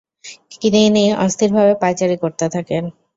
তিনি অস্থিরভাবে পায়চারি করতে থাকেন।